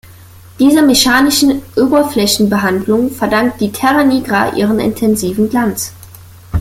Dieser mechanischen Oberflächenbehandlung verdankt die Terra Nigra ihren intensiven Glanz.